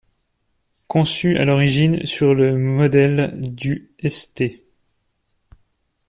Conçue à l'origine sur le modèle du St.